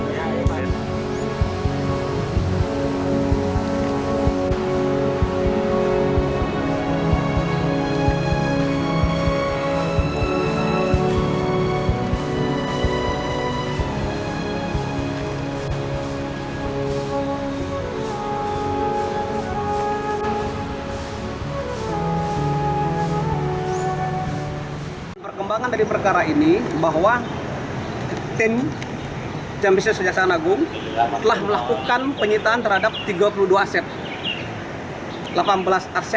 jangan lupa jangan lupa jangan lupa